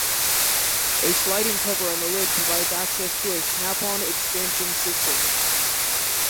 A sliding cover on the lid provides access to a "snap on" expansion system.